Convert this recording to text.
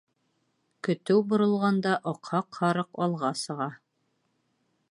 Көтөү боролғанда, аҡһаҡ һарыҡ алға сыға.